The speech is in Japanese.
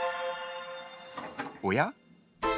おや？